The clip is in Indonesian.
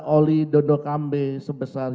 oli dodokambe sebesar